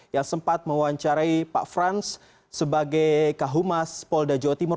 yang sempat mewawancarai pak franz sebagai kak humas polda jawa timur